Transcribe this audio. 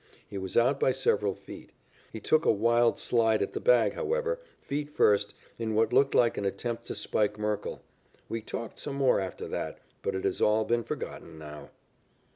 He was out by several feet. He took a wild slide at the bag, however, feet first, in what looked like an attempt to spike Merkle. We talked some more after that, but it has all been forgotten now.